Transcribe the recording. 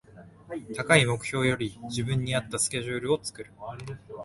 高い目標より自分に合ったスケジュールを作る